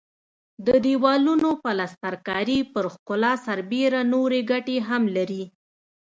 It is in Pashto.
د دېوالونو پلستر کاري پر ښکلا سربېره نورې ګټې هم لري.